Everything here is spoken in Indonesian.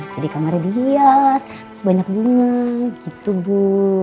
jadi kamarnya dihias terus banyak bunga gitu bu